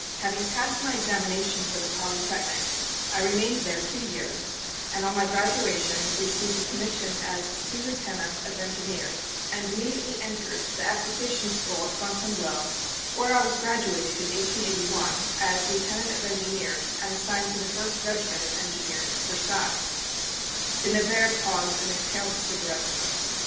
Having passed my examination for the Polytechnic I remained there two years, and on my graduation received a commission as Sous Lieutenant of Engineers, and immediately entered the Application School at Fontainebleau, where I was graduated in 1881 as Lieutenant of Engineers and assigned to the First Regiment of Engineers at Versailles " De Nevers paused and exhaled the cigarette smoke.